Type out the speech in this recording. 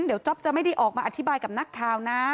เดี๋ยวจ๊อปจะไม่ได้ออกมาอธิบายกับนักข่าวนะ